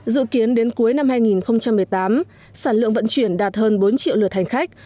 dự kiến đến cuối năm hai nghìn một mươi tám sản lượng vận chuyển đạt hơn bốn triệu lượt hành khách